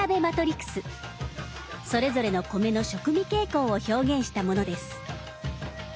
それぞれの米の食味傾向を表現したものです。